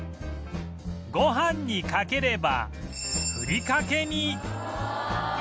ごはんにかければふりかけに